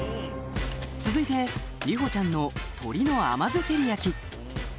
続いて梨歩ちゃんの鶏の甘酢照り焼き